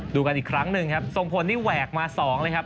ดูกันอีกครั้งหนึ่งครับทรงพลนี่แหวกมา๒เลยครับ